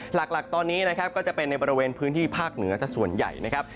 หลักตอนนี้นะครับก็จะเป็นในบริเวณพื้นที่ภาคเหนือสักส่วนใหญ่นะครับ